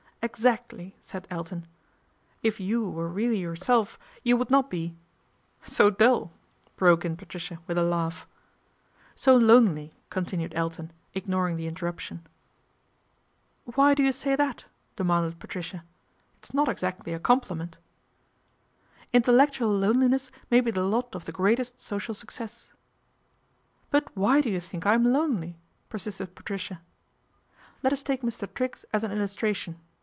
" Exactly," said Elton. " If you were really yourself you would not be "" So dull," broke in Patricia with a laugh. " So lonely," continued Elton, ignoring the interruption. " Why do you say that ?" demanded Patricia. " It's not exactly a compliment." A RACE WITH SPINSTERHOOD 295 " Intellectual loneliness may be the lot of the greatest social success." " But why do you think I am lonely ?" persisted Patricia. " Let us take Mr. Triggs as an illustration.